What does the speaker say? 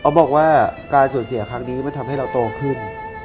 บอกว่าการสูญเสียครั้งนี้มันทำให้เราโตขึ้น